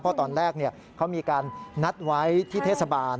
เพราะตอนแรกเขามีการนัดไว้ที่เทศบาล